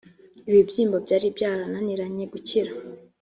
ibibyimba byari byarananiranye gukira